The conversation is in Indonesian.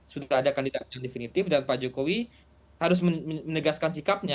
sudah ada kandidat yang definitif dan pak jokowi harus menegaskan sikapnya